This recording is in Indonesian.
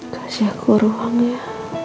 kasih aku ruangnya